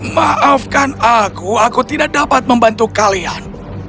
maafkan aku aku tidak dapat membantu kalian